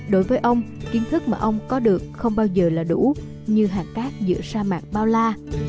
đối với ông kiến thức mà ông có được không bao giờ là đủ như hạt cát giữa sa mạc bao la